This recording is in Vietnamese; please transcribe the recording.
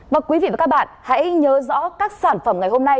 và quý vị và các bạn hãy nhớ rõ các sản phẩm ngày hôm nay